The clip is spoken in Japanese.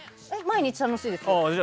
毎日楽しいですよ。